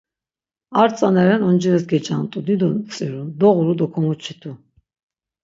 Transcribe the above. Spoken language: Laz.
Ar tzana ren oncirez gecant̆u dido ntziru, doğuru do komiçit̆u.